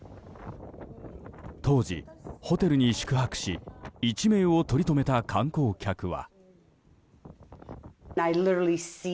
当時、ホテルに宿泊し一命をとりとめた観光客は。